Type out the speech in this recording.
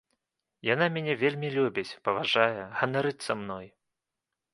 Яна мяне вельмі любіць, паважае, ганарыцца мной.